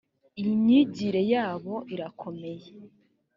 imyigire yabo irakomeye.